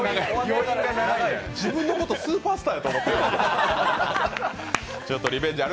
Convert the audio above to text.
自分のことスーパースターやと思ってる。